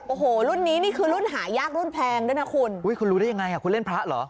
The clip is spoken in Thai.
โอ้โหรุ่นนี้นี่คือรุ่นหายากรุ่นแพงด้วยนะคุณ